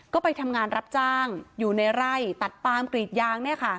ก็ไปทำงานรับจ้างอยู่ในไร่ตัดปามกรีดยาง